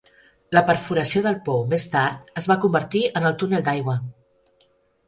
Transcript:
La perforació del pou més tard es va convertir en el túnel d'aigua.